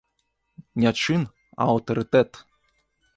Не чын, а аўтарытэт.